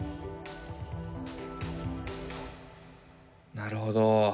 なるほど。